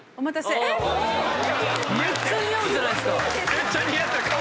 めっちゃ似合ってる！